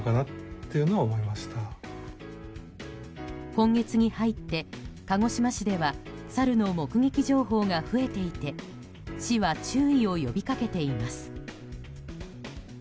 今月に入って、鹿児島市ではサルの目撃情報が増えていて市は注意を呼びかけています。